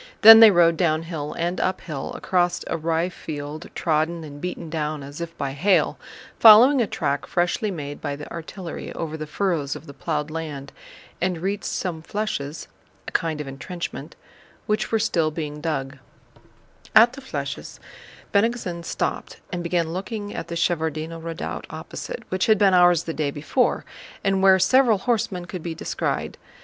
Then they rode downhill and uphill, across a ryefield trodden and beaten down as if by hail, following a track freshly made by the artillery over the furrows of the plowed land, and reached some flèches * which were still being dug. * A kind of entrenchment. At the flèches Bennigsen stopped and began looking at the Shevárdino Redoubt opposite, which had been ours the day before and where several horsemen could be descried.